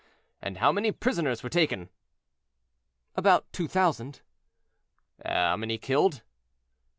And how many prisoners were taken?" "About two thousand." "How many killed?"